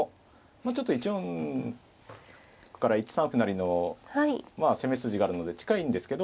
ちょっと１四から１三歩成の攻め筋があるので近いんですけど。